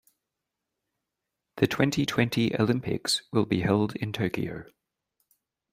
The twenty-twenty Olympics will be held in Tokyo.